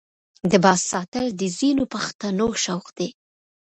د باز ساتل د ځینو پښتنو شوق دی.